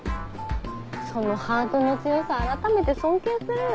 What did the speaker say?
そのハートの強さあらためて尊敬するよ。